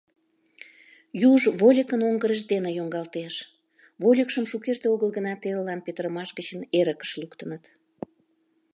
Юж вольыкын оҥгырышт дене йоҥгалтеш, вольыкшым шукерте огыл гына телылан петырымаш гыч эрыкыш луктыныт.